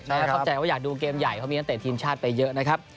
และครับใจอยากดูเกมใหม่เพราะมีนักเตรียมเทียมชาติไปเยอะนะครับ